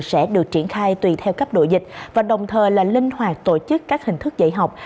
sẽ được triển khai tùy theo cấp độ dịch và đồng thời là linh hoạt tổ chức các hình thức dạy học